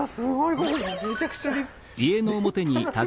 ここめちゃくちゃ立派な。